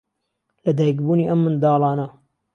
لەدایکبوونی ئەم منداڵانە